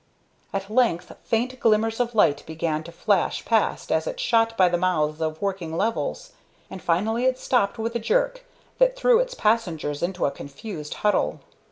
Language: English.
At length faint glimmers of light began to flash past as it shot by the mouths of working levels, and finally it stopped with a jerk that threw its passengers into a confused huddle.